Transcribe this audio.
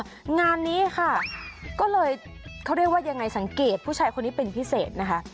งานนี้ค่ะก็เลยเขาเรียกว่ายังไงสังเกตผู้ชายคนนี้เป็นพิเศษนะคะ